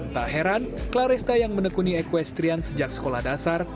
tak heran claresta yang menekuni equestrian sejak sekolah dasar